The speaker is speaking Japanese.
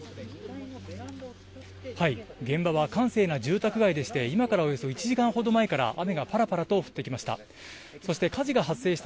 現場は閑静な住宅街でして、今からおよそ１時間ほど前から、雨がぱらぱらと降ってきました。